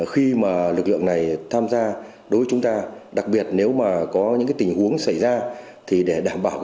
khi mà lực lượng này tham gia đối với chúng ta đặc biệt nếu mà có những tình huống xảy ra thì để đảm bảo